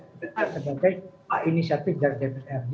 sebenarnya ini adalah inisiatif dari dpr